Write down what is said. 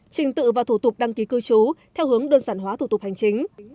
trình tự và thủ tục đăng ký cư trú theo hướng đơn giản hóa thủ tục hành chính